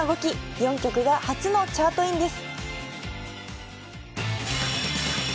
４曲が初のチャートインです。